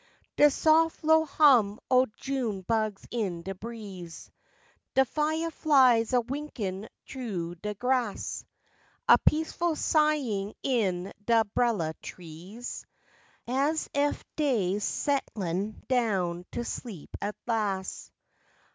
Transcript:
De sof' low hum o' June bugs in de breeze; De fiah flies a winkin' t'ru de grass; A peaceful sighin' in de 'brella trees As ef dey's settlin' down to sleep at las'.